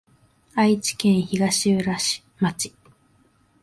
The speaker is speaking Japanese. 愛知県東浦町